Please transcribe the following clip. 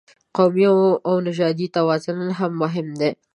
قومي او نژادي توازن هم مهم دی.